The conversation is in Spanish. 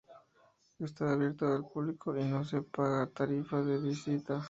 Está abierto al público y no se paga tarifa de visita.